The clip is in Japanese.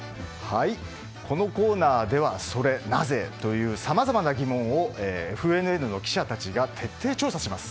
このコーナーではソレなぜ？というさまざまな疑問をＦＮＮの記者たちが徹底調査します。